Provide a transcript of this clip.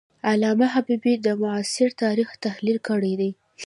علامه حبیبي د معاصر تاریخ تحلیل کړی دی.